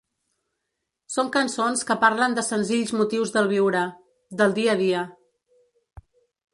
Són cançons que parlen de senzills motius del viure, del dia a dia.